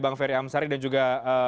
bang ferry amsari dan juga